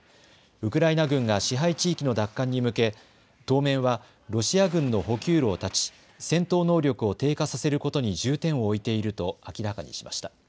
ウクライナ軍が支配地域の奪還に向け当面はロシア軍の補給路を断ち、戦闘能力を低下させることに重点を置いていると明らかにしました。